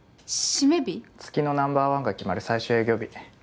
月のナンバー１が決まる最終営業日。